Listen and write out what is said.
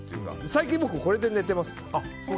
最近、僕これで寝てます。